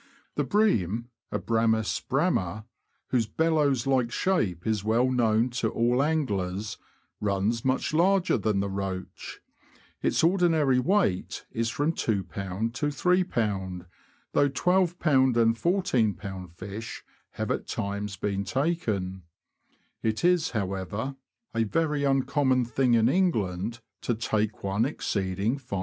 The Bream [Abramts bramd), whose bellows like shape is well known to all anglers, runs much larger than the roach ; its ordinary weight is from 2lb. to 31b., though i2lb. and 141b. fish have at times been taken. It is, however, a very uncommon thing in England to take one exceeding 51b.